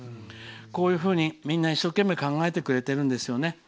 こういうふうにみんな一生懸命考えてくれているんですね。